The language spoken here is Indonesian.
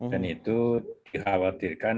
dan itu dikhawatirkan